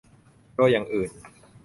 โดยอย่างอื่น